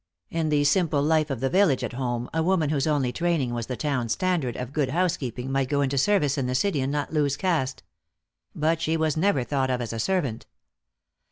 In the simple life of the village at home a woman whose only training was the town standard of good housekeeping might go into service in the city and not lose caste. But she was never thought of as a servant.